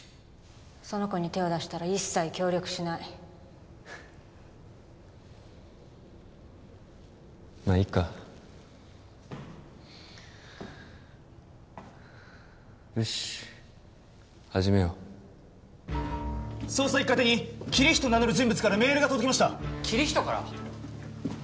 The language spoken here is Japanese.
その子に手を出したら一切協力しないまっいいかよし始めよう捜査一課宛てにキリヒトを名乗る人物からメールが届きましたキリヒトから？